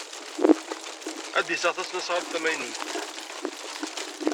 Ad d-iseɣ tasnasɣalt tamaynut.